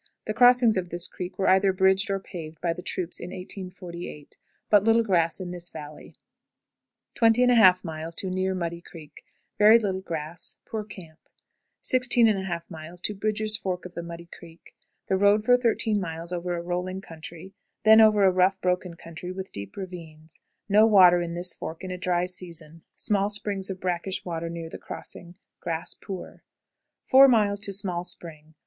The crossings of this creek were either bridged or paved by the troops in 1858. But little grass in this valley. 20 1/2. Near Muddy Creek. Very little grass; poor camp. 16 1/2. Bridger's Fork of the Muddy Creek. The road for thirteen miles runs over a rolling country, then over a rough, broken country, with deep ravines. No water in this fork in a dry season; small springs of brackish water near the crossing. Grass poor. 4. Small Spring.